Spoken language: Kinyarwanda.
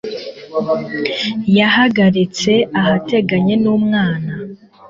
yahagaritse ahateganye n'umwana